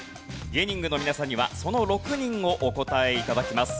芸人軍の皆さんにはその６人をお答え頂きます。